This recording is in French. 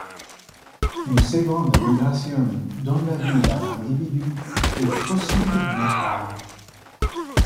Une seconde migration dans la vie d'un individu est possible mais rare.